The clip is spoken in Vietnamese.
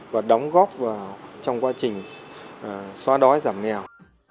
và đóng góp vào trong quá trình xóa đói giảm nghèo